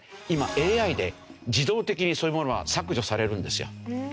今ＡＩで自動的にそういうものは削除されるんですよ。